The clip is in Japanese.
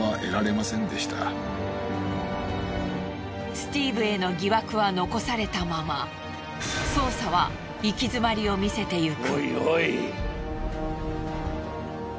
スティーブへの疑惑は残されたまま捜査は行き詰まりを見せていく。